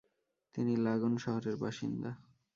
তিনি "লাগোন" শহরের বাসিন্দা।